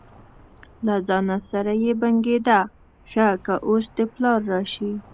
له ځانه سره یې بنګېده: ښه که اوس دې پلار راشي.